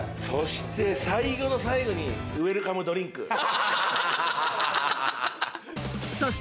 そして最後の最後にウエルカムドリンク。